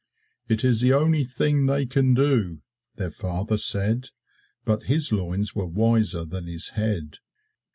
"It is the only thing they can do," their father said. But his loins were wiser than his head.